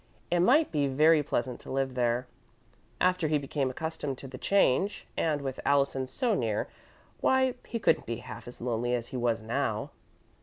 It might be very pleasant to live there, after he became accustomed to the change, and with Allison so near why, he couldn't be half as lonely as he was now.